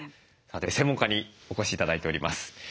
さて専門家にお越し頂いております。